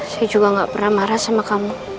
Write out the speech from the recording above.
saya juga gak pernah marah sama kamu